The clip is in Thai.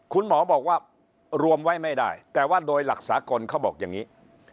คุณหมอบอกว่ารวมไว้ไม่ได้แต่ว่าโดยหลักสากลเขาบอกอย่างนี้